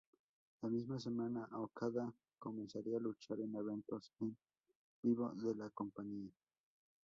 La misma semana, Okada comenzaría a luchar en eventos en vivo de la compañía.